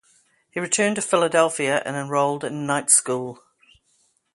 He returned to Philadelphia and enrolled in night school.